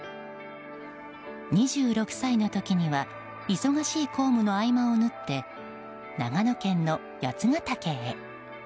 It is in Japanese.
２６歳の時には忙しい公務の合間を縫って長野県の八ケ岳へ。